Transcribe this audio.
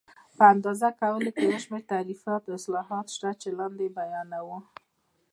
په اندازه کولو کې یو شمېر تعریفونه او اصلاحات شته چې لاندې یې بیانوو.